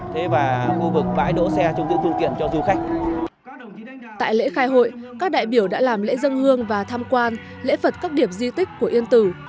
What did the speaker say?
tại lễ khai hội các đại biểu đã làm lễ dân hương và tham quan lễ phật các điểm di tích của yên tử